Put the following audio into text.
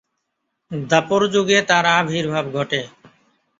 দ্বাপরযুগে তাঁর আবির্ভাব ঘটে।